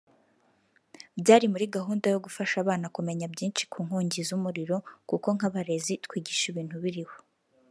byari muri gahunda yo gufasha abana kumenya byinshi ku nkongi z’umuriro kuko nk’abarezi twigisha ibintu biriho